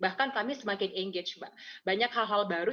bahkan kami semakin engage mbak banyak hal hal baru